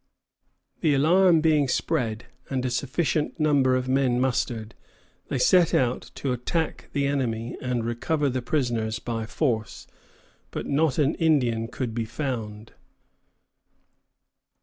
The alarm being spread and a sufficient number of men mustered, they set out to attack the enemy and recover the prisoners by force; but not an Indian could be found.